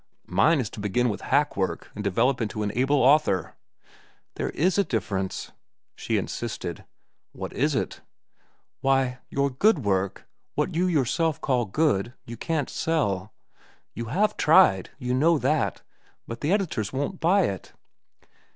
Mine is to begin with hack work and develop into an able author." "There is a difference," she insisted. "What is it?" "Why, your good work, what you yourself call good, you can't sell. You have tried, you know that,—but the editors won't buy it."